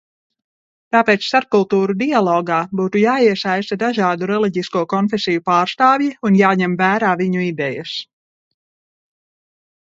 Tāpēc starpkultūru dialogā būtu jāiesaista dažādu reliģisko konfesiju pārstāvji un jāņem vērā viņu idejas.